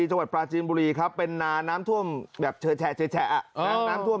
ในจังหวัดพราชินบุรีครับเป็นน้างน้ามท่วมแบบเฉอะเฉอะอะอะน้อ